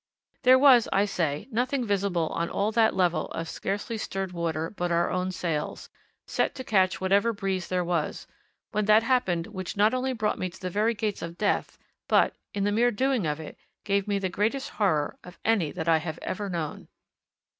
There was, I say, nothing visible on all that level of scarcely stirred water but our own sails, set to catch whatever breeze there was, when that happened which not only brought me to the very gates of death, but, in the mere doing of it, gave me the greatest horror of any that I have ever known.